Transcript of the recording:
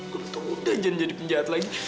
gue betul udah janji jadi penjahat lagi